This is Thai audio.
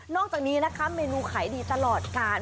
จากนี้นะคะเมนูขายดีตลอดกาล